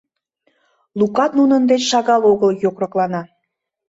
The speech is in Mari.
Лукат нунын деч шагал огыл йокроклана.